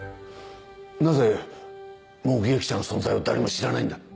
なぜ目撃者の存在を誰も知らないんだ？